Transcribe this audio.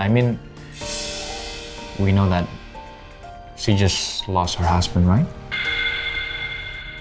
maksud aku kita tahu bahwa dia baru saja kehilangan suami kan